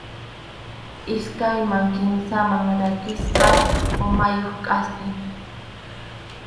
Iskayman kimsaman rakisqa umayuq kʼaspi.